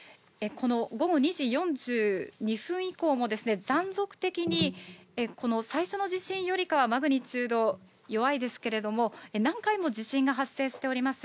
午後２時４２分以降も、断続的に、この最初の地震よりかはマグニチュード、弱いですけれども、何回も地震が発生しております。